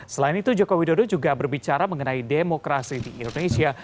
selain itu joko widodo juga berbicara mengenai demokrasi di indonesia